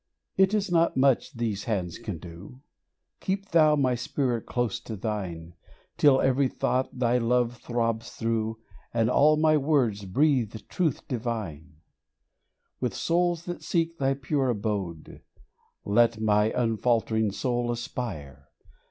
It is not much these hands can do : Keep Thou my spirit close to Thine, (42) THE HEAVENWARD CALL 43 Till every thought Thy love throbs through, And all my words breathe truth divine ! With souls that seek Thy pure abode, Let my unfaltering soul aspire